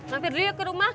nanti dulu yuk ke rumah